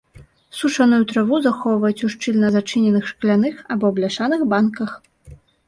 Сушаную траву захоўваюць у шчыльна зачыненых шкляных або бляшаных банках.